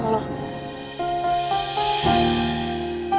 sampai jumpa lagi